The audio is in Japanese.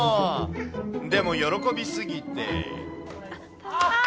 でも、喜び過ぎて。